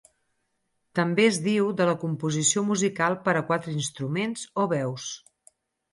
També es diu de la composició musical per a quatre instruments o veus.